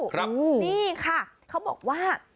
ครับนี่ค่ะเขาบอกว่า